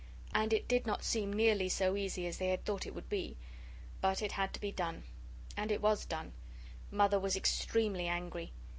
And it did not seem nearly so easy as they had thought it would be. But it had to be done. And it was done. Mother was extremely angry.